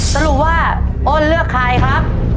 สรุปว่าอ้นเลือกใครครับ